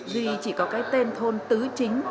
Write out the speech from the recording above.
vì chỉ có cái tên thôn tứ chính